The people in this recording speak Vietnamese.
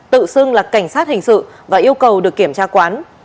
tự xưng là cảnh sát hình sự và yêu cầu được kiểm tra quán